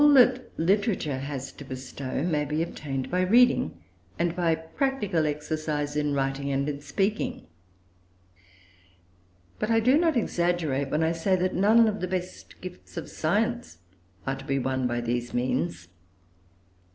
All that literature has to bestow may be obtained by reading and by practical exercise in writing and in speaking; but I do not exaggerate when I say, that none of the best gifts of science are to be won by these means.